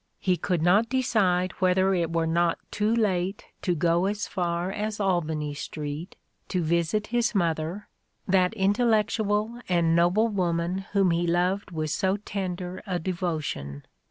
He could not decide whether it were not too late to go as far as Albany Street, to visit his mother — that intel lectual and noble woman whom he loved with so tender a devotion.